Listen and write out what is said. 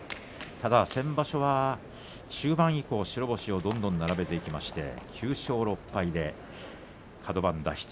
ただ先場所は中盤以降白星をどんどん並べていきまして９勝６敗、カド番脱出。